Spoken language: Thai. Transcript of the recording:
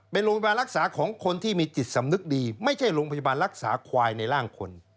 เป็นโรงพยาบาลรักษาของคนที่มีจิตสำนึกดีไม่ใช่โรงพยาบาลรักษาควายในร่างคน